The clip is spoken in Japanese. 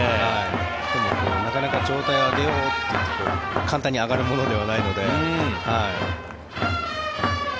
でもなかなか状態を上げようといっても簡単に上がるものではないので。